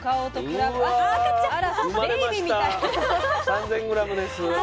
３，０００ｇです。